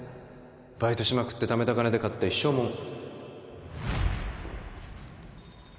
バイトしまくって貯めた金で買った一生もん